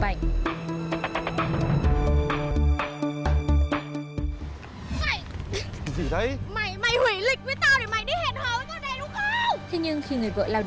bây giờ nó không trả